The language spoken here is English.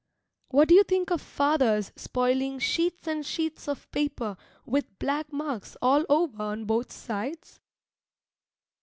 What do you think of father's spoiling sheets and sheets of paper with black marks all over on both sides?